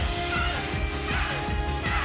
はい